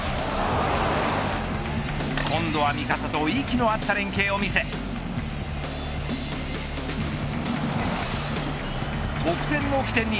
今度は味方と息の合った連係を見せ得点の起点に。